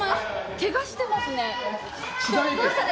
けがしてますね。